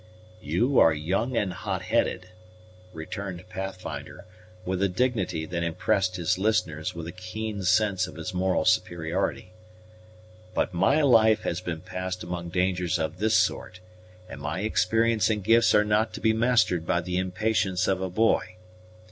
"You are young and hot headed," returned Pathfinder, with a dignity that impressed his listeners with a keen sense of his moral superiority; "but my life has been passed among dangers of this sort, and my experience and gifts are not to be mastered by the impatience of a boy.